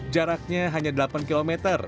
jaraknya hanya delapan km